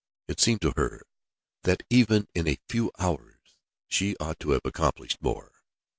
It seemed to her that even in a few hours she ought to have accomplished more.